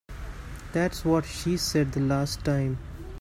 That's what she said the last time.